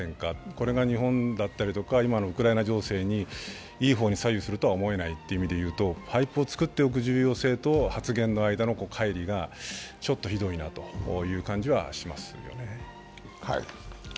これが日本だったりとか今のウクライナ情勢にいい方に動くとは思えない、パイプを作っておく重要性と発言の間の乖離がちょっとひどいなという感じはしますよね。